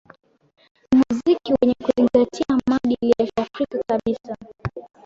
Ni muziki wenye kuzingatia maadili ya kiafrika kabisa